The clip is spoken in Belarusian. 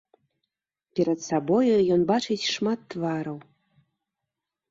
Перад сабою ён бачыць шмат твараў.